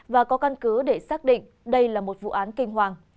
và có căn cứ để xác định đây là một vụ án kinh hoàng